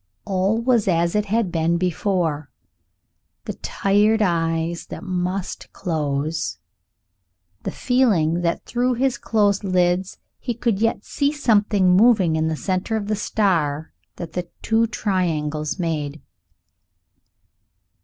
All was as it had been before. The tired eyes that must close, the feeling that through his closed eyelids he could yet see something moving in the centre of the star that the two triangles made.